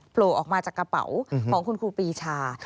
โผล่ออกมาจากกระเป๋าของคุณครูปีชา